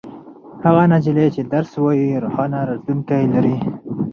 هغه نجلۍ چې درس وايي روښانه راتلونکې لري.